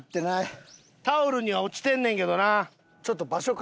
タオルには落ちてんねんけどな。